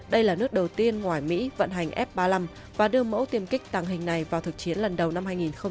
đây là nước đầu tiên ngoài mỹ vận hành f ba mươi năm và đưa mẫu tiêm kích tàng hình này vào thực chiến lần đầu năm hai nghìn một mươi chín